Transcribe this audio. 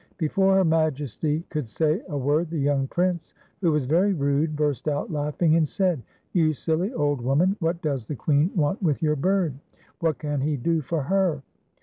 Before her Majesty could say a word, the young Prince, who was very rude, burst out laughing, and said: " You silly old woman, what does the Queen want with your bird.? What can he do for her.